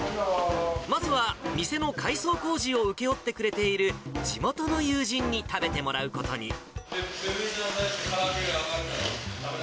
まずは店の改装工事を請け負ってくれている、地元の友人に食べてもらうことに。